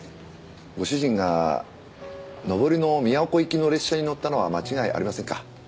ご主人が上りの宮古行きの列車に乗ったのは間違いありませんか？